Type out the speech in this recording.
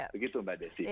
begitu mbak desi